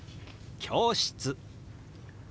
「教室」。